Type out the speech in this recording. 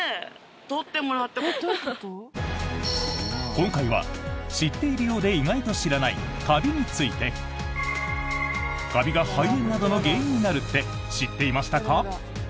今回は、知っているようで意外と知らないカビについて。カビが肺炎などの原因になるって知っていましたか？